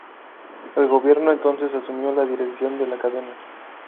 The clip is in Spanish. El gobierno entonces asumió la dirección de la cadena.